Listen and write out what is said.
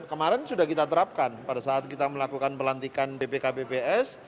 kemarin sudah kita terapkan pada saat kita melakukan pelantikan bpk bps